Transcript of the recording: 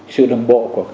sự đồng bộ của